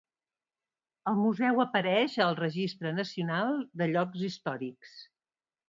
El museu apareix al Registre Nacional de Llocs Històrics.